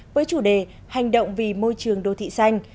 với chủ đề hành động vì môi trường đô thị xanh